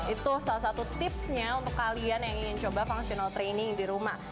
itu salah satu tipsnya untuk kalian yang ingin coba functional training di rumah